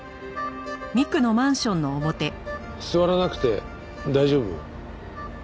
座らなくて大丈夫？